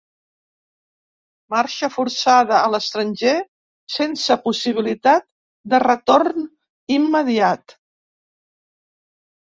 Marxa forçada a l'estranger sense possibilitat de retorn immediat.